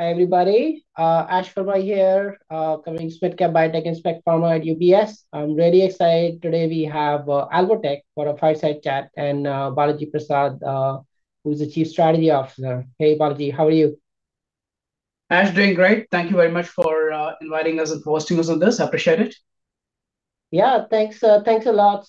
Hi, everybody. Ash Verma here, covering SMID-cap biotech and SMID pharma at UBS. I'm very excited. Today we have Alvotech for a fireside chat, and Balaji Prasad, who's the Chief Strategy Officer. Hey, Balaji. How are you? Ash, doing great. Thank you very much for inviting us and hosting us on this. Appreciate it. Thanks a lot.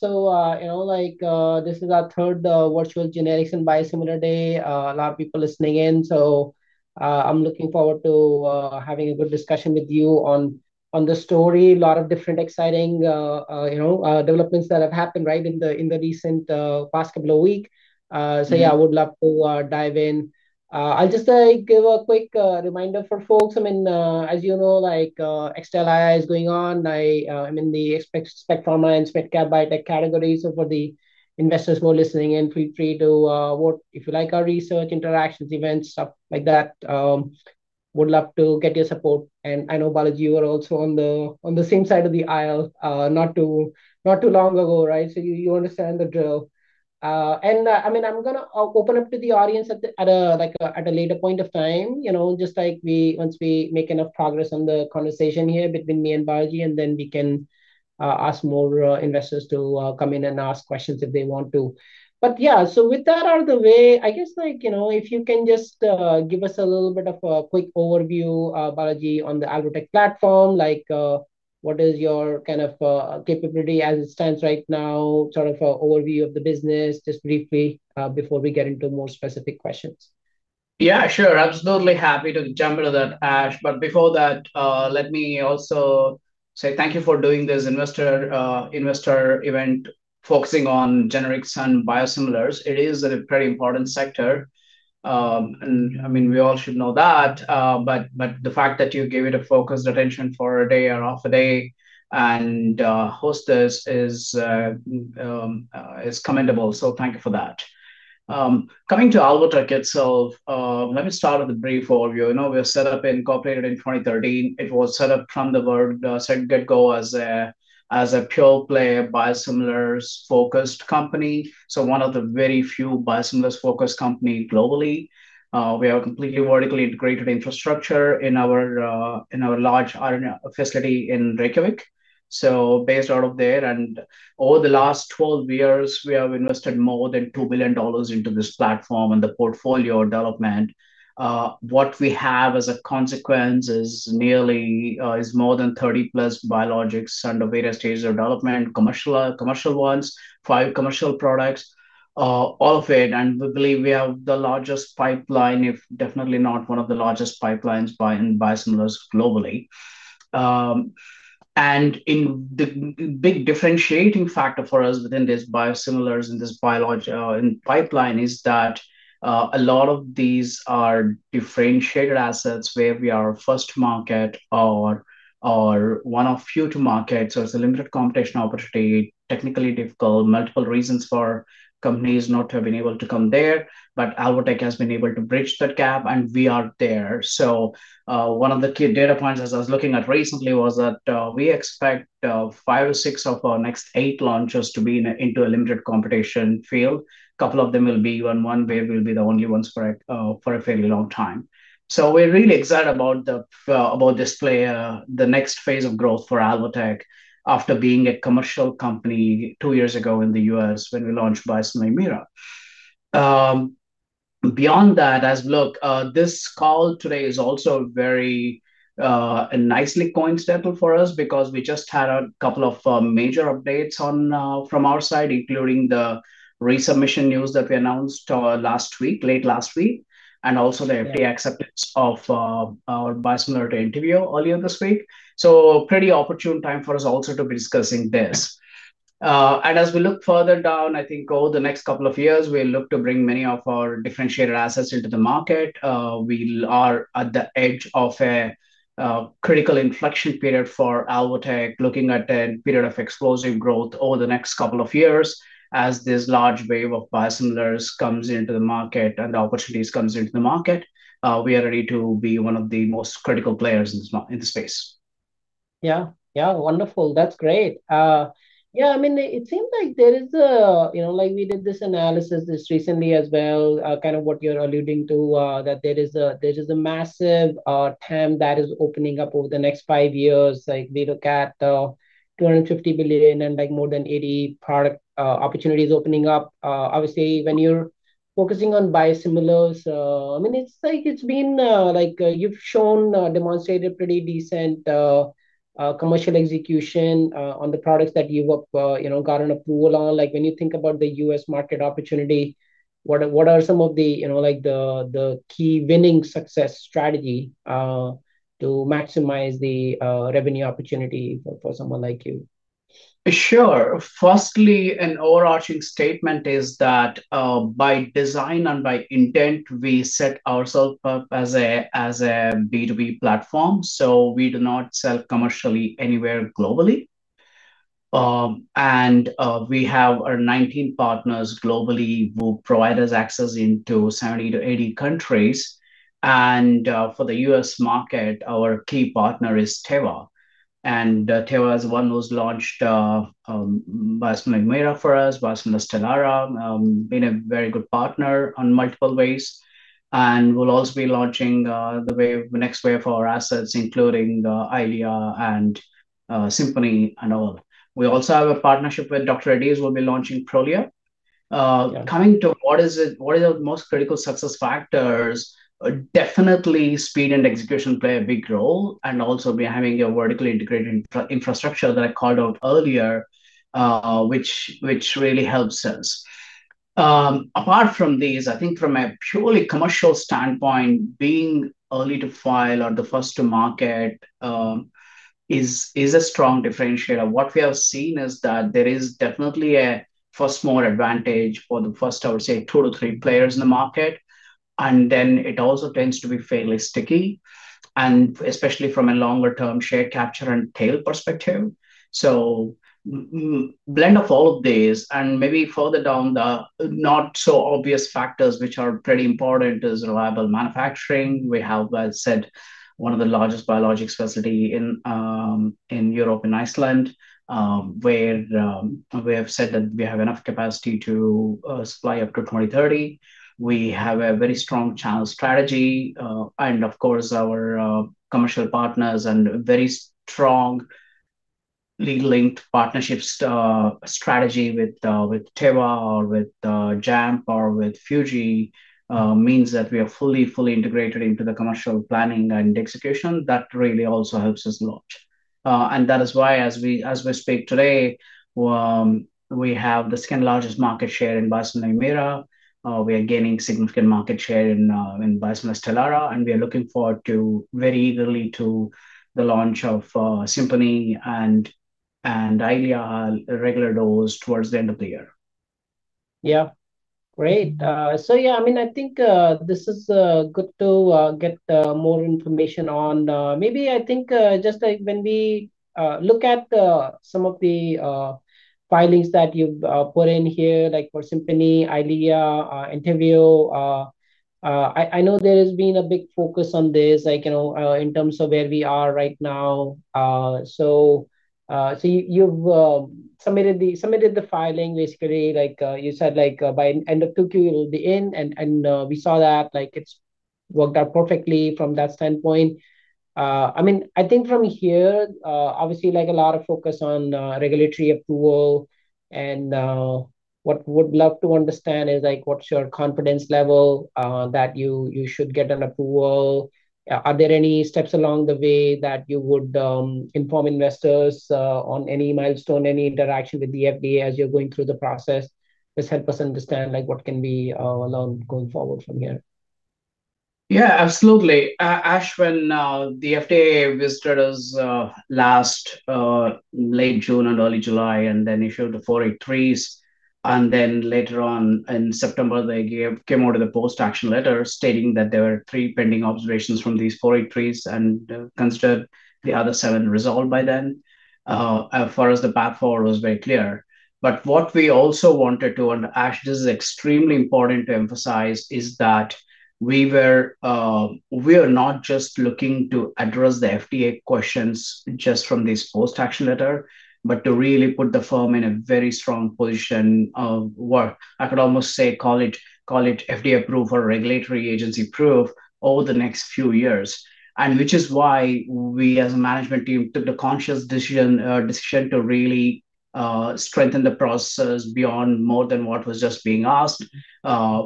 This is our third Virtual Generics and Biosimilar day. A lot of people listening in, so I'm looking forward to having a good discussion with you on the story. A lot of different exciting developments that have happened right in the recent past couple of week. Would love to dive in. I'll just give a quick reminder for folks. As you know, XLII is going on. I'm in the SMID pharma and SMID-cap biotech category. For the investors who are listening in, feel free to, if you like our research, interactions, events, stuff like that, would love to get your support. I know, Balaji, you were also on the same side of the aisle not too long ago, right? You understand the drill. I'm going to open up to the audience at a later point of time, once we make enough progress on the conversation here between me and Balaji, and then we can ask more investors to come in and ask questions if they want to. With that out of the way, if you can just give us a little bit of a quick overview, Balaji, on the Alvotech platform, like what is your kind of capability as it stands right now, sort of a overview of the business, just briefly, before we get into more specific questions. Yeah, sure. Absolutely happy to jump into that, Ash. Before that, let me also say thank you for doing this investor event focusing on generics and biosimilars. It is a very important sector. We all should know that, but the fact that you give it a focused attention for a day and host this is commendable, so thank you for that. Coming to Alvotech itself, let me start with a brief overview. We were set up incorporated in 2013. It was set up from the get-go as a pure-play biosimilars-focused company. One of the very few biosimilars-focused company globally. We have completely vertically integrated infrastructure in our large facility in Reykjavik. Based out of there, and over the last 12 years, we have invested more than $2 billion into this platform and the portfolio development. What we have as a consequence is more than 30+ biologics under various stages of development, commercial ones, five commercial products, all of it, and we believe we have the largest pipeline, if definitely not one of the largest pipelines in biosimilars globally. The big differentiating factor for us within these biosimilars in this pipeline is that a lot of these are differentiated assets where we are first to market or one of few to market. It's a limited competition opportunity, technically difficult, multiple reasons for companies not to have been able to come there. Alvotech has been able to bridge that gap, and we are there. One of the key data points as I was looking at recently was that we expect five or six of our next eight launches to be into a limited competition field. Couple of them will be one where we'll be the only ones for a fairly long time. We're really excited about this player, the next phase of growth for Alvotech after being a commercial company two years ago in the U.S. when we launched biosimilar Humira. Beyond that, as look, this call today is also very nicely coincidental for us because we just had a couple of major updates from our side, including the resubmission news that we announced last week, late last week. Yeah. Also, FDA acceptance of our biosimilar to Entyvio earlier this week. Pretty opportune time for us also to be discussing this. As we look further down, I think over the next couple of years, we'll look to bring many of our differentiated assets into the market. We are at the edge of a critical inflection period for Alvotech, looking at a period of explosive growth over the next couple of years as this large wave of biosimilars comes into the market and the opportunities comes into the market. We are ready to be one of the most critical players in the space. Yeah. Wonderful. That's great. It seems there is a, we did this analysis just recently as well, kind of what you're alluding to, that there is a massive TAM that is opening up over the next five years. We look at $250 billion and more than 80 product opportunities opening up. Obviously, when you're focusing on biosimilars, it's you've shown, demonstrated pretty decent commercial execution, on the products that you've gotten approval on. When you think about the U.S. market opportunity, what are some of the key winning success strategy, to maximize the revenue opportunity for someone like you? Sure. Firstly, an overarching statement is that, by design and by intent, we set ourself up as a B2B platform. We do not sell commercially anywhere globally. We have our 19 partners globally who provide us access into 70-80 countries. For the U.S. market, our key partner is Teva. Teva is the one who's launched, biosimilar Humira for us, biosimilar STELARA, been a very good partner on multiple ways. We'll also be launching the next wave of our assets, including the EYLEA and SIMPONI and all. We also have a partnership with Dr. Reddy's. We'll be launching PROLIA. Coming to what are the most critical success factors, definitely speed and execution play a big role, we're having a vertically integrated infrastructure that I called out earlier which really helps us. Apart from these, I think from a purely commercial standpoint, being early to file or the first to market is a strong differentiator. What we have seen is that there is definitely a first-mover advantage for the first, I would say, two to three players in the market, then it also tends to be fairly sticky, especially from a longer-term share capture and tail perspective. Blend of all of these and maybe further down the not so obvious factors which are pretty important is reliable manufacturing. We have, as I said, one of the largest biologics facility in Europe and Iceland, where we have said that we have enough capacity to supply up to 2030. We have a very strong channel strategy, our commercial partners and very strong linked partnerships strategy with Teva or with JAMP or with Fuji means that we are fully integrated into the commercial planning and execution. That really also helps us a lot. That is why as we speak today, we have the second-largest market share in biosimilar Humira. We are gaining significant market share in biosimilar STELARA, we are looking forward very eagerly to the launch of SIMPONI and EYLEA regular dose towards the end of the year. Yeah. Great. I think this is good to get more information on. When we look at some of the filings that you've put in here, like for SIMPONI, EYLEA, Entyvio, I know there has been a big focus on this, in terms of where we are right now. You've submitted the filing, basically, like you said, by end of 2Q it will be in, and we saw that it's worked out perfectly from that standpoint. From here, obviously a lot of focus on regulatory approval and what we'd love to understand is what's your confidence level that you should get an approval. Are there any steps along the way that you would inform investors on any milestone, any interaction with the FDA as you're going through the process? Just help us understand what can be along going forward from here. Yeah, absolutely. Ash, when, the FDA visited us last late June and early July, issued the Form 483s, later on in September, they came out with a post-action letter stating that there were three pending observations from these Form 483s and considered the other seven resolved by then. As far as the path forward was very clear. What we also wanted to, and Ash, this is extremely important to emphasize, is that we are not just looking to address the FDA questions just from this post-action letter, but to really put the firm in a very strong position of what I could almost say call it FDA approval, regulatory agency proof over the next few years. Which is why we as a management team took the conscious decision to really strengthen the processes beyond more than what was just being asked.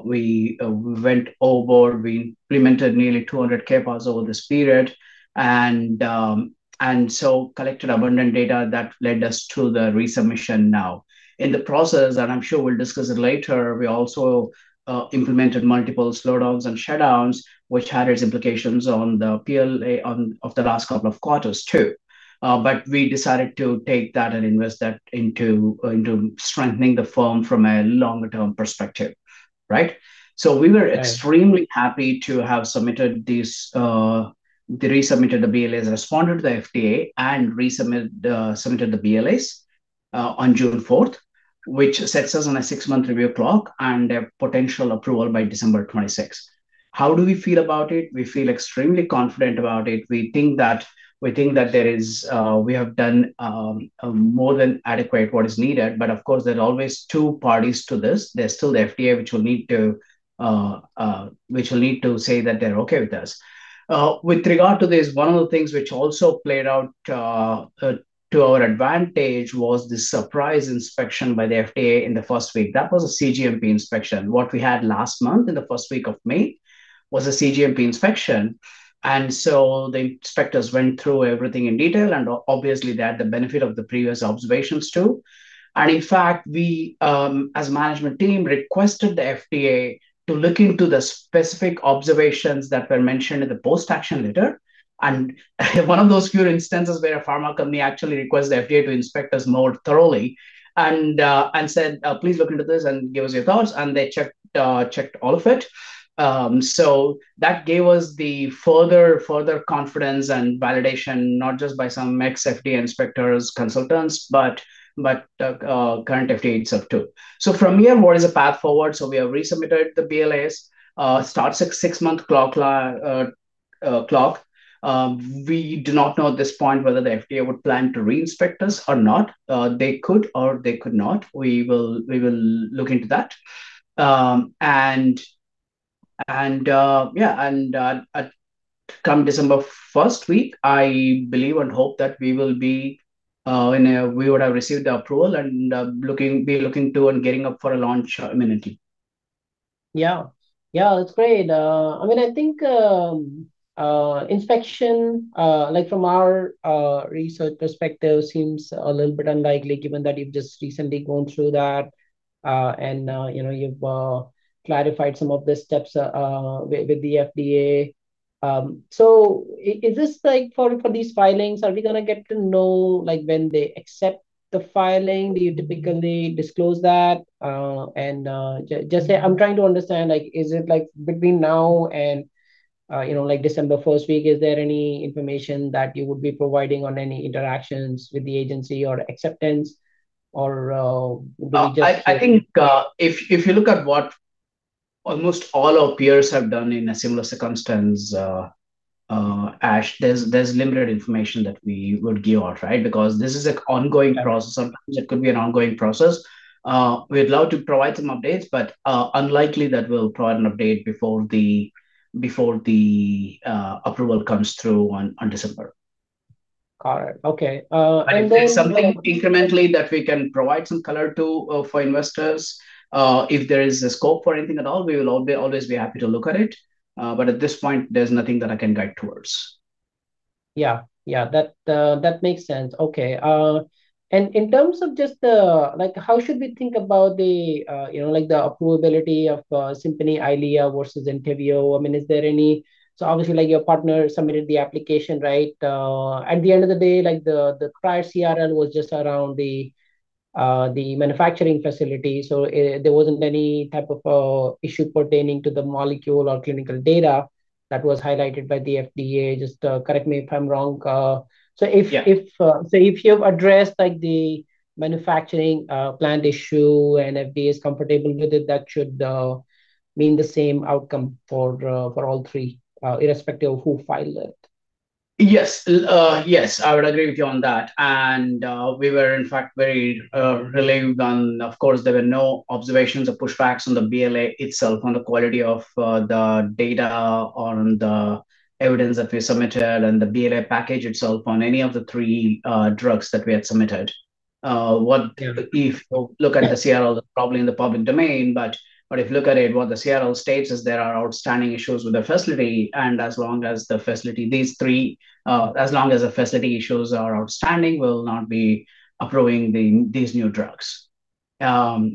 We went over, we implemented nearly 200 CAPAs over this period, collected abundant data that led us to the resubmission now. In the process, and I'm sure we'll discuss it later, we also implemented multiple slowdowns and shutdowns, which had its implications on the P&L of the last couple of quarters too. We decided to take that and invest that into strengthening the firm from a longer-term perspective. Right? We were extremely- Right.... happy to have submitted these, resubmitted the BLAs, responded to the FDA, resubmitted the BLAs on June 4th, which sets us on a six-month review clock and a potential approval by December 26. How do we feel about it? We feel extremely confident about it. We think that we have done more than adequate what is needed. Of course, there are always two parties to this. There's still the FDA which will need to say that they're okay with us. With regard to this, one of the things which also played out to our advantage was the surprise inspection by the FDA in the first week. That was a CGMP inspection. What we had last month in the first week of May was a CGMP inspection. The inspectors went through everything in detail, and obviously they had the benefit of the previous observations, too. In fact, we, as a management team, requested the FDA to look into the specific observations that were mentioned in the post-action letter. One of those few instances where a pharma company actually requests the FDA to inspect us more thoroughly and said, "Please look into this and give us your thoughts." They checked all of it. That gave us the further confidence and validation, not just by some ex-FDA inspectors, consultants, but current FDA itself, too. From here, what is the path forward? We have resubmitted the BLAs, start six-month clock. We do not know at this point whether the FDA would plan to re-inspect us or not. They could or they could not. We will look into that. Come December first week, I believe and hope that we would have received the approval and be looking to and getting up for a launch immediately. That's great. I think inspection, from our research perspective, seems a little bit unlikely given that you've just recently gone through that and you've clarified some of the steps with the FDA. For these filings, are we going to get to know when they accept the filing? Do you typically disclose that? I'm trying to understand, is it between now and December first week, is there any information that you would be providing on any interactions with the agency or acceptance? I think if you look at what almost all our peers have done in a similar circumstance, Ash, there's limited information that we would give out, right? This is an ongoing process. Sometimes it could be an ongoing process. We'd love to provide some updates, unlikely that we'll provide an update before the approval comes through on December. Got it. Okay. If there's something incrementally that we can provide some color to for investors, if there is a scope for anything at all, we will always be happy to look at it. At this point, there's nothing that I can guide towards. Yeah. That makes sense. Okay. In terms of how should we think about the approvability of SIMPONI, EYLEA versus Entyvio? I mean, is there any obviously, your partner submitted the application, right? At the end of the day, the prior CRL was just around the manufacturing facility. There wasn't any type of issue pertaining to the molecule or clinical data that was highlighted by the FDA. Just correct me if I'm wrong. Yeah. If you have addressed the manufacturing plant issue and FDA is comfortable with it, that should mean the same outcome for all three, irrespective of who filed it. Yes. I would agree with you on that. We were, in fact, very relieved on, of course, there were no observations or pushbacks on the BLA itself, on the quality of the data, on the evidence that we submitted, and the BLA package itself on any of the three drugs that we had submitted. If you look at the CRL, probably in the public domain, but if you look at it, what the CRL states is there are outstanding issues with the facility, and as long as the facility issues are outstanding, we'll not be approving these new drugs. That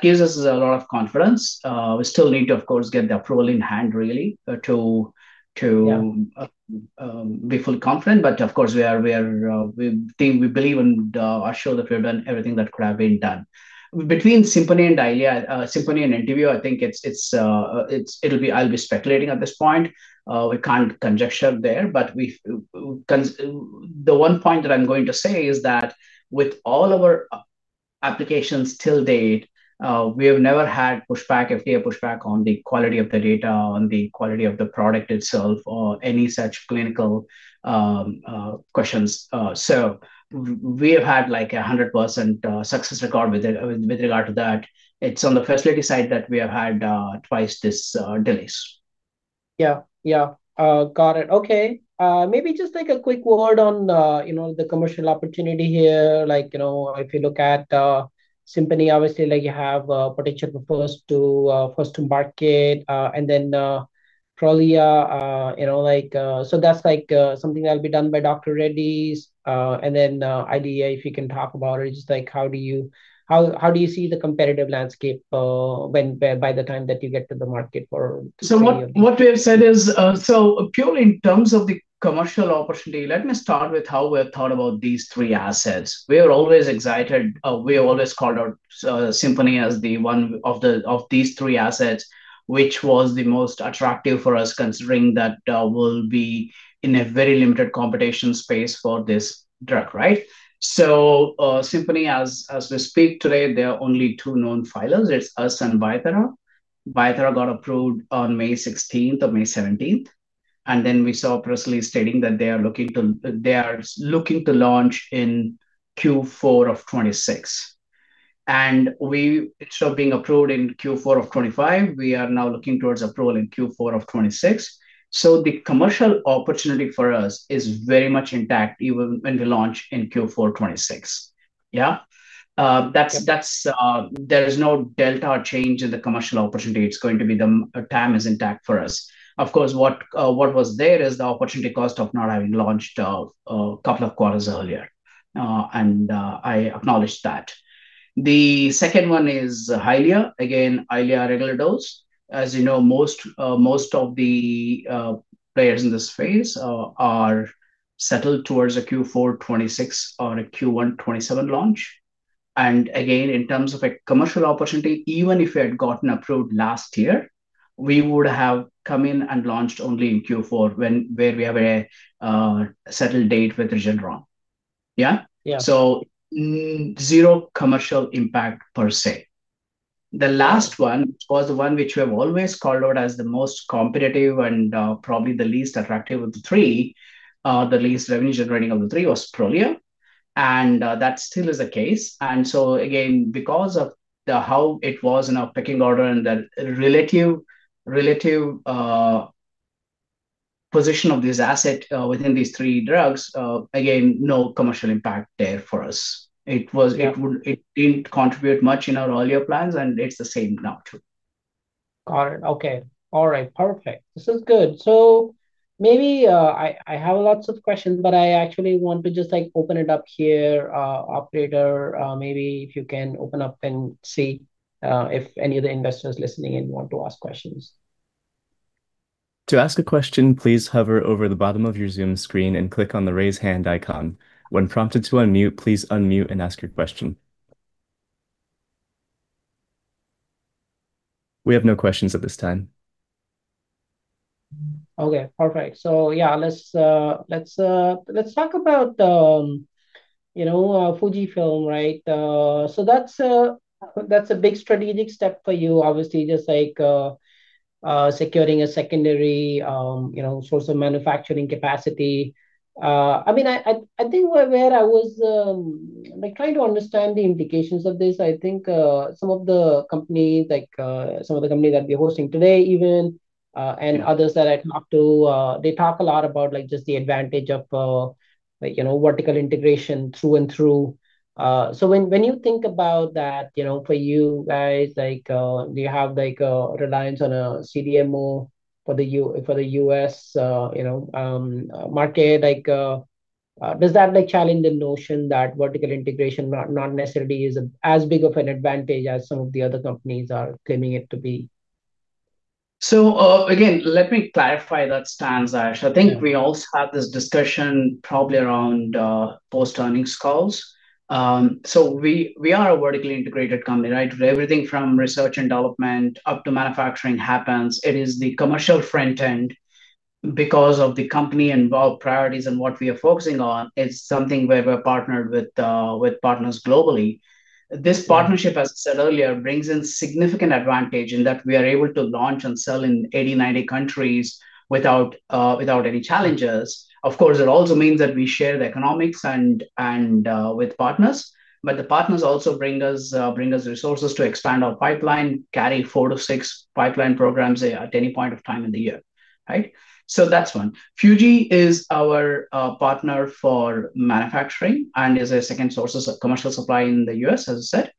gives us a lot of confidence. We still need, of course, get the approval in hand- Yeah.... to be fully confident. Of course, we believe and are sure that we have done everything that could have been done. Between SIMPONI and Entyvio, I think I'll be speculating at this point. We can't conjecture there, but the one point that I'm going to say is that with all our applications till date, we have never had FDA pushback on the quality of the data, on the quality of the product itself or any such clinical questions. We have had 100% success record with regard to that. It's on the facility side that we have had twice these delays. Yeah. Got it. Okay. Maybe just take a quick word on the commercial opportunity here. If you look at SIMPONI, obviously, you have potential first to market, and then PROLIA. That's something that'll be done by Dr. Reddy's. Then EYLEA, if you can talk about it, just how do you see the competitive landscape by the time that you get to the market? What we have said is, so purely in terms of the commercial opportunity, let me start with how we have thought about these three assets. We are always excited. We have always called out SIMPONI as the one of these three assets, which was the most attractive for us, considering that we'll be in a very limited competition space for this drug, right? SIMPONI, as we speak today, there are only two known filers. It's us and Bio-Thera. Bio-Thera got approved on May 16th or May 17th. Then we saw Fresenius stating that they are looking to launch in Q4 of 2026. Instead of being approved in Q4 of 2025, we are now looking towards approval in Q4 of 2026. The commercial opportunity for us is very much intact, even when we launch in Q4 2026. Yeah. There is no delta change in the commercial opportunity. Time is intact for us. Of course, what was there is the opportunity cost of not having launched a couple of quarters earlier. I acknowledge that. The second one is EYLEA. Again, EYLEA regular dose. As you know, most of the players in this phase are settled towards a Q4 2026 or a Q1 2027 launch. Again, in terms of a commercial opportunity, even if it had gotten approved last year, we would have come in and launched only in Q4, where we have a settled date with Regeneron. Yeah? Yeah. Zero commercial impact per se. The last one was the one which we have always called out as the most competitive and probably the least attractive of the three. The least revenue-generating of the three was PROLIA, and that still is the case. Again, because of how it was in our pecking order and the relative position of this asset within these three drugs, again, no commercial impact there for us. Yeah. It didn't contribute much in our earlier plans, and it's the same now, too. Got it. Okay. All right. Perfect. This is good. Maybe I have lots of questions, but I actually want to just open it up here. Operator, maybe if you can open up and see if any of the investors listening in want to ask questions. To ask a question, please hover over the bottom of your Zoom screen and click on the raise hand icon. When prompted to unmute, please unmute and ask your question. We have no questions at this time. Okay, perfect. Yeah, let's talk about Fuji Pharma, right? That's a big strategic step for you, obviously, just securing a secondary source of manufacturing capacity. I think where I was trying to understand the implications of this. I think some of the companies, like some of the companies that we're hosting today even, and others that I talk to, they talk a lot about just the advantage of vertical integration through and through. When you think about that for you guys, do you have a reliance on a CDMO for the U.S. market? Does that challenge the notion that vertical integration not necessarily is as big of an advantage as some of the other companies are claiming it to be? Again, let me clarify that stance, Ash. Yeah. I think we also had this discussion probably around post-earnings calls. We are a vertically integrated company, right? Where everything from research and development up to manufacturing happens. It is the commercial front end because of the company involved, priorities and what we are focusing on, it's something where we're partnered with partners globally. This partnership, as I said earlier, brings in significant advantage in that we are able to launch and sell in 80-90 countries without any challenges. Of course, it also means that we share the economics with partners. The partners also bring us resources to expand our pipeline, carry four to six pipeline programs at any point of time in the year. Right? That's one. Fuji Pharma is our partner for manufacturing and is a second source of commercial supply in the U.S., as I said.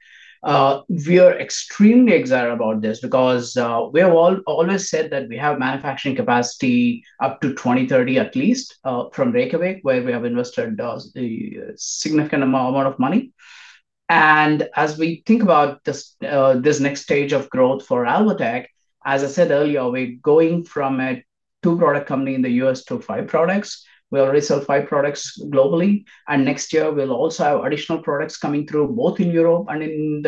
We are extremely excited about this because we have always said that we have manufacturing capacity up to 2030 at least from Reykjavik, where we have invested a significant amount of money. As we think about this next stage of growth for Alvotech, as I said earlier, we're going from a two-product company in the U.S. to five products. We already sell five products globally, and next year we'll also have additional products coming through both in Europe and in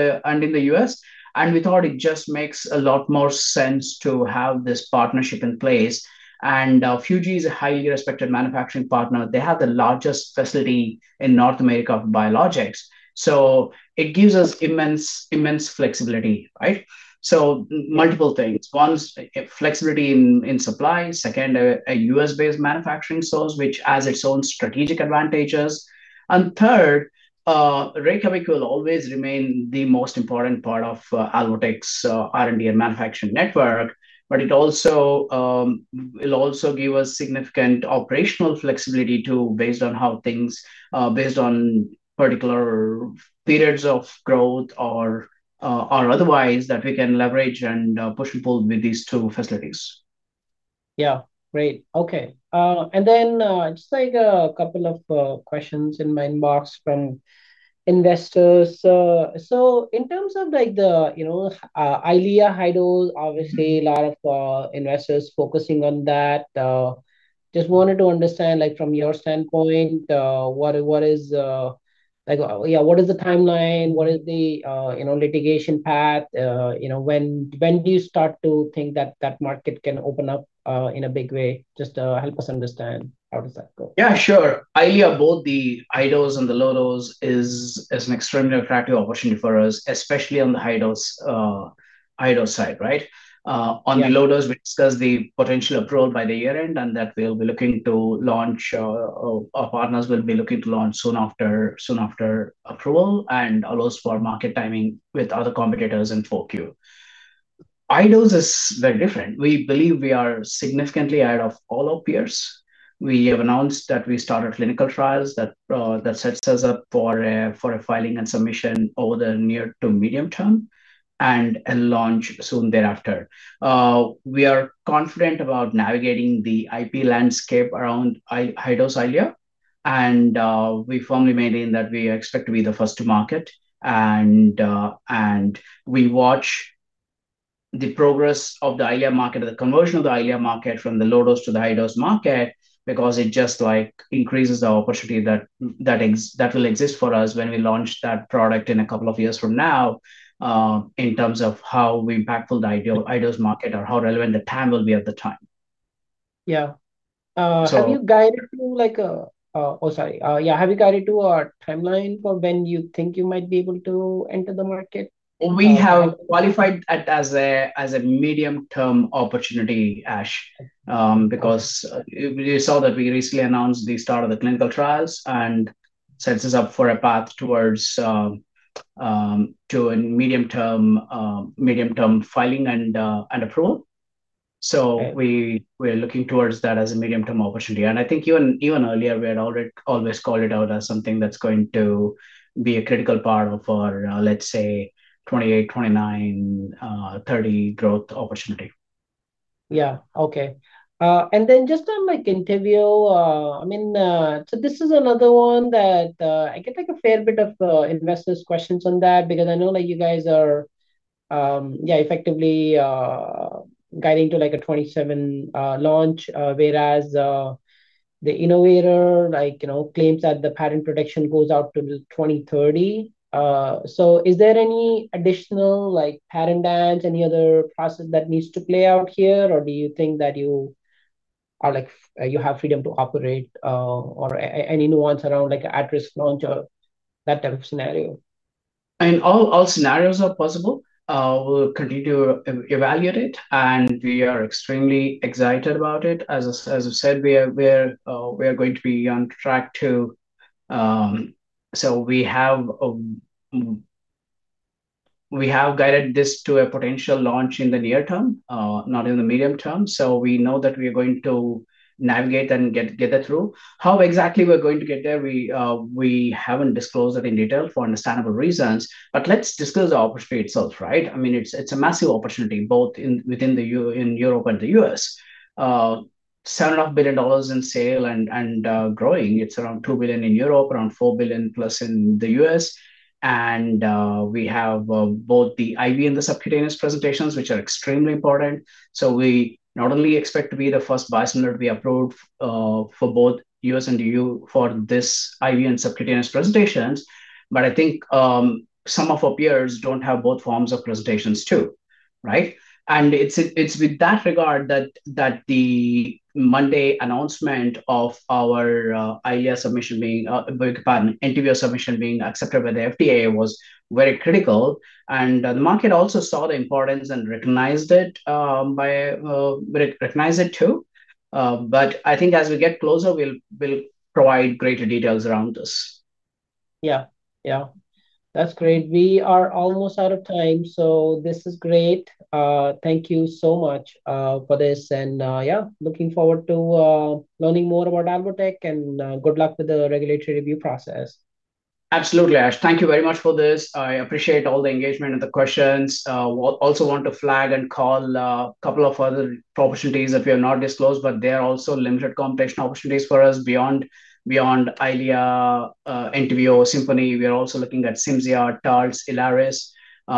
the U.S. We thought it just makes a lot more sense to have this partnership in place. Fuji is a highly respected manufacturing partner. They have the largest facility in North America for biologics. It gives us immense flexibility, right? Multiple things. One is flexibility in supply. Second, a U.S.-based manufacturing source, which has its own strategic advantages. Third, Reykjavik will always remain the most important part of Alvotech's R&D and manufacturing network. It will also give us significant operational flexibility, too, based on particular periods of growth or otherwise, that we can leverage and push and pull with these two facilities. Yeah. Great. Okay. Just a couple of questions in my inbox from investors. In terms of EYLEA high dose, obviously a lot of investors focusing on that. I just wanted to understand from your standpoint, what is the timeline? What is the litigation path? When do you start to think that that market can open up in a big way? I just wanted to understand how does that go. Yeah, sure. EYLEA, both the low dose and the low dose is an extremely attractive opportunity for us, especially on the high dose side, right? Yeah. On the low dose, we discussed the potential approval by the year-end, and that our partners will be looking to launch soon after approval, and allows for market timing with other competitors in 4Q. High dose is very different. We believe we are significantly ahead of all our peers. We have announced that we started clinical trials. That sets us up for a filing and submission over the near to medium term, and a launch soon thereafter. We are confident about navigating the IP landscape around high-dose EYLEA, and we firmly maintain that we expect to be the first to market. We watch the progress of the EYLEA market or the conversion of the EYLEA market from the low-dose to the high-dose market because it just increases the opportunity that will exist for us when we launch that product in a couple of years from now in terms of how impactful the high-dose market or how relevant the TAM will be at the time. Yeah. So- Oh, sorry. Yeah, have you guided to a timeline for when you think you might be able to enter the market? We have qualified that as a medium-term opportunity, Ash, because you saw that we recently announced the start of the clinical trials, and sets us up for a path towards a medium-term filing and approval. Okay. We're looking towards that as a medium-term opportunity. I think even earlier, we had always called it out as something that's going to be a critical part of our, let's say, 2028, 2029, 2030 growth opportunity. Okay. Then just on Entyvio. This is another one that I get a fair bit of investors questions on that because I know that you guys are effectively guiding to a 2027 launch whereas the innovator claims that the patent protection goes out to 2030. Is there any additional patent dance, any other process that needs to play out here, or do you think that you have freedom to operate or any nuance around at-risk launch or that type of scenario? All scenarios are possible. We'll continue to evaluate it, and we are extremely excited about it. As you said, we are going to be on track to we have guided this to a potential launch in the near term, not in the medium term. We know that we are going to navigate and get that through. How exactly we're going to get there, we haven't disclosed that in detail for understandable reasons. Let's discuss the opportunity itself, right? It's a massive opportunity both in Europe and the U.S. $7.5 billion in sale and growing. It's around $2 billion in Europe, around $4+ billion in the U.S. We have both the IV and the subcutaneous presentations, which are extremely important. We not only expect to be the first biosimilar to be approved for both U.S. and EU for this IV and subcutaneous presentations, but I think some of our peers don't have both forms of presentations too, right? It's with that regard that the Monday announcement of our Entyvio submission being accepted by the FDA was very critical, and the market also saw the importance and recognized it too. I think as we get closer, we'll provide greater details around this. Yeah. That's great. We are almost out of time, so this is great. Thank you so much for this. Yeah, looking forward to learning more about Alvotech, and good luck with the regulatory review process. Absolutely, Ash. Thank you very much for this. I appreciate all the engagement and the questions. Also want to flag and call a couple of other opportunities that we have not disclosed, but they are also limited competition opportunities for us beyond EYLEA, Entyvio, SIMPONI. We are also looking at CIMZIA, Taltz, ILARIS.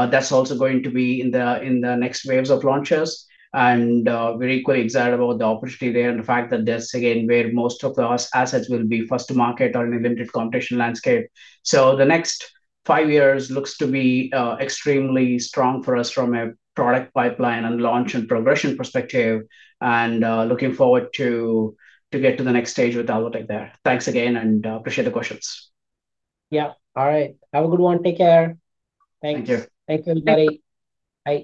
That's also going to be in the next waves of launches, and we're equally excited about the opportunity there and the fact that that's, again, where most of our assets will be first to market or in a limited competition landscape. The next five years looks to be extremely strong for us from a product pipeline and launch and progression perspective. Looking forward to get to the next stage with Alvotech there. Thanks again, and appreciate the questions. Yeah. All right. Have a good one. Take care. Thanks. Thank you. Thanks, everybody. Bye